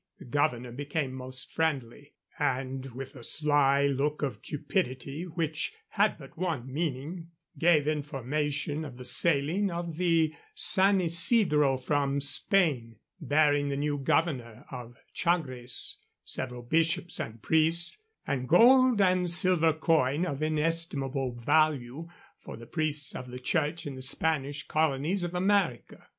The governor became most friendly, and (with a sly look of cupidity, which had but one meaning) gave information of the sailing of the San Isidro from Spain, bearing the new governor of Chagres, several bishops and priests, and gold and silver coin of inestimable value for the priests of the Church in the Spanish colonies of America.